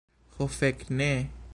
Ho, fek, ne!